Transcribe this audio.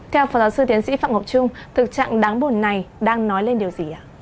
theo phó giáo sư tiến sĩ phạm ngọc trung thực trạng đáng buồn này đang nói lên điều gì